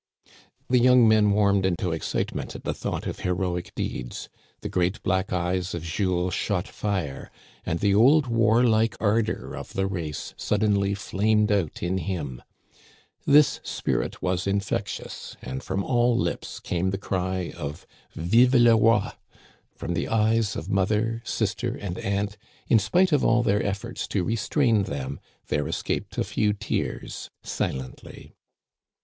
The young men warmed into excitement at the thought of heroic deeds ; the great black eyes of Jules shot fire, and the old warlike ardor of the race suddenly flamed out in him. This spirit was infectious, and from all lips came the cry of Vive le Roi! From the eyes of mother, sister, and aunt, in spite of all their efforts to restrain them, there escaped a few tears silently.